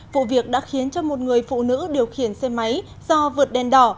vụ việc đã khiến cho một người phụ nữ điều khiển xe máy do vượt đèn đỏ